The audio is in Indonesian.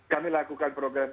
kami lakukan program